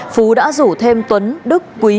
phú đã rủ thêm tuấn đức quý